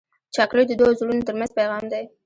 چاکلېټ د دوو زړونو ترمنځ پیغام دی.